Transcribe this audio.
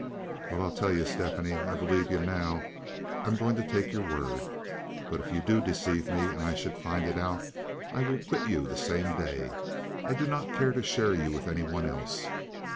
"Well, I'll tell you, Stephanie, I believe you now. I'm going to take your word. But if you do deceive me, and I should find it out, I will quit you the same day. I do not care to share you with any one else.